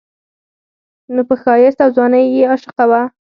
نو پۀ ښايست او ځوانۍ يې عاشقه شوه